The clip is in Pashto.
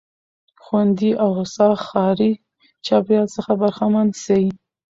خوندي او هوسا ښاري چاپېريال څخه برخمن سي.